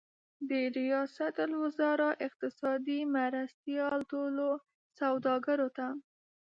د ریاست الوزار اقتصادي مرستیال ټولو سوداګرو ته